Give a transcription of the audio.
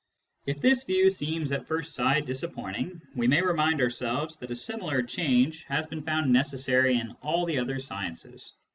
If this view seems at first sight disappointing, we may remind ourselves that a similar change has been found necessary in all the other sciences.